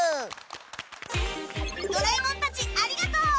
ドラえもんたちありがとう！